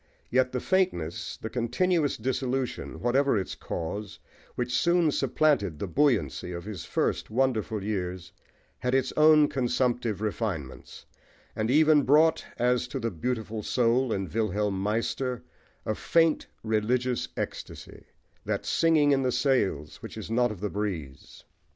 Yet the faintness, the continuous dissolution, whatever its cause, which soon supplanted the buoyancy of his first wonderful years, had its own consumptive refinements, and even brought, as to the "Beautiful Soul" in Wilhelm Meister, a faint religious ecstasy that "singing in the sails" which is not of the breeze.